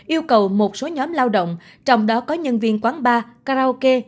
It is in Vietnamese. yêu cầu một số nhóm lao động trong đó có nhân viên quán bar karaoke